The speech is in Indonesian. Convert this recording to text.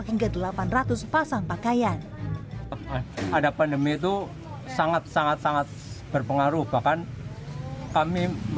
hingga delapan ratus pasang pakaian ada pandemi itu sangat sangat sangat berpengaruh bahkan kami